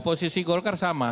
ya posisi golkar sama